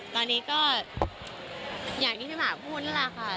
ตอนนี้ก็อย่างที่พี่หมาพูดนั่นแหละค่ะ